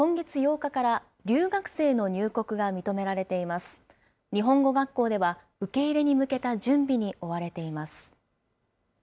日本語学校では、受け入れに向けた準備に追われています。